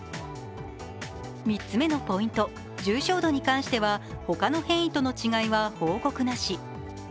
３つ目のポイント、重症度に関しては他の変異との違いは報告なし。